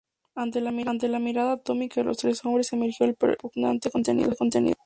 Ante la mirada atónita de los tres hombres emergió el repugnante contenido.